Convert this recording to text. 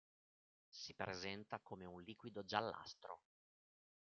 Si presenta come un liquido giallastro.